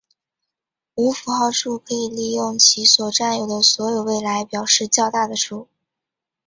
无符号数可以利用其所占有的所有位来表示较大的数。